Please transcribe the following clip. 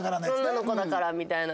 「女の子だから」みたいな。